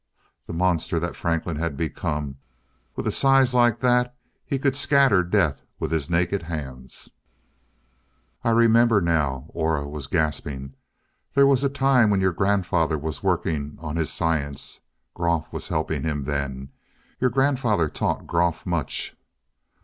The monster that Franklin had become with a size like that he could scatter death with his naked hands. "I remember now," Aura was gasping. "There was a time when your grandfather was working on his science. Groff was helping him then. Your grandfather taught Groff much."